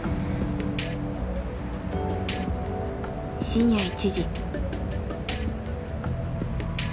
深夜１時。